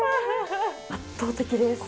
圧倒的です。